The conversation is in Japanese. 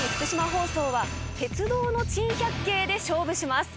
放送は鉄道の珍百景で勝負します。